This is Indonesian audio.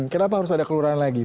kenapa harus ada kelurahan lagi